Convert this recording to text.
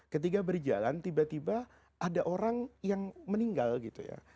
ketika berjalan tiba tiba ada orang yang meninggal gitu ya